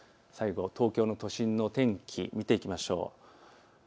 最後、東京都心の天気、見ていきましょう。